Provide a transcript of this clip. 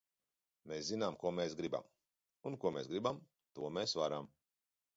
Mēs zinām, ko mēs gribam! Un ko mēs gribam, to mēs varam!